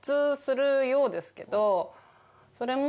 それも。